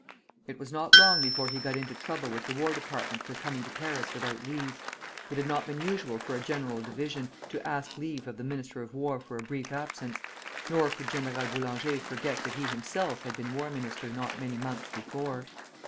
It was not long before he got into trouble with the War Department for coming to Paris without leave. It had not been usual for a general of division to ask leave of the Minister of War for a brief absence, nor could General Boulanger forget that he himself had been War Minister not many months before.